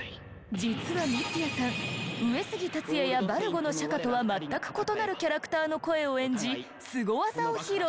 実は三ツ矢さん上杉達也や乙女座のシャカとは全く異なるキャラクターの声を演じスゴ技を披露。